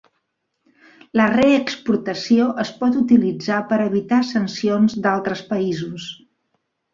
La re-exportació es pot utilitzar per evitar sancions d'altres països.